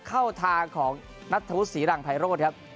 เข้าทางของนาทูตศรีรังไพรโรนครับ